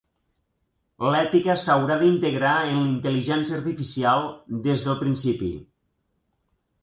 L'ètica s'haurà d'integrar en l'intel·ligència artificial des del principi.